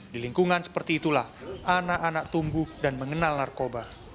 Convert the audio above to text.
di lingkungan seperti itulah anak anak tumbuh dan mengenal narkoba